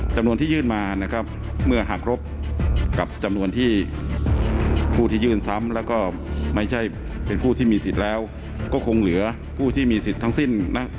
จำนวนที่ยื่นมานะครับเมื่อหากครบกับจำนวนที่ผู้ที่ยื่นซ้ำแล้วก็ไม่ใช่เป็นผู้ที่มีสิทธิ์แล้วก็คงเหลือผู้ที่มีสิทธิ์ทั้งสิ้นนะ